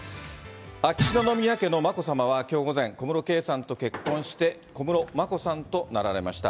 秋篠宮家の眞子さまはきょう午前、小室圭さんと結婚して、小室眞子さんとなられました。